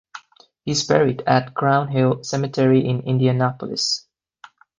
He is buried at Crown Hill Cemetery in Indianapolis.